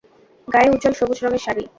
গায়ে উজ্জ্বল সবুজ রঙের শাড়ি।